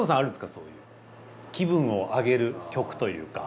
そういう気分を上げる曲というか。